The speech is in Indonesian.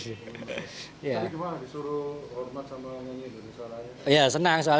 jadi gimana disuruh hormat sama nyanyi indonesia raya